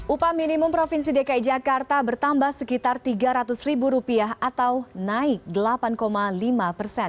upah minimum provinsi dki jakarta bertambah sekitar tiga ratus ribu rupiah atau naik delapan lima persen